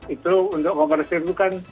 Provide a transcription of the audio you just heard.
itu untuk kompor listrik itu kan